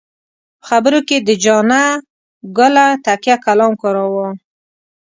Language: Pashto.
په خبرو کې یې د جانه ګله تکیه کلام کاراوه.